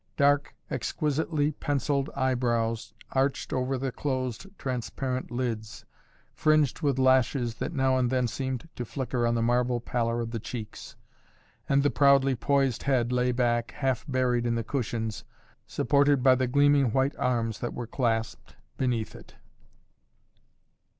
Dark, exquisitely pencilled eyebrows arched over the closed, transparent lids, fringed with lashes that now and then seemed to flicker on the marble pallor of the cheeks, and the proudly poised head lay back, half buried in the cushions, supported by the gleaming white arms that were clasped beneath it.